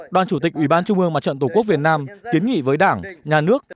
đoàn chủ tịch ủy ban trung ương mặt trận tổ quốc việt nam kiến nghị với đảng nhà nước